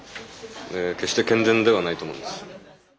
決して健全ではないと思うんです。